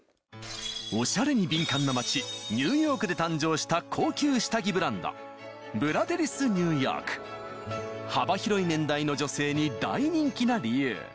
オシャレに敏感な街ニューヨークで誕生した高級下着ブランド幅広い年代の女性に大人気な理由